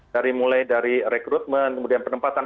dari mulai dari rekrutmen kemudian penempatan